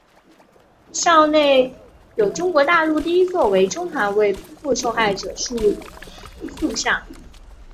校区内有中国大陆第一座为中韩慰安妇受害者树立的塑像。